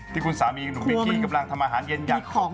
ที่คุณสามีหนุ่มเมกี้กำลังทำอาหารเย็นอยากของ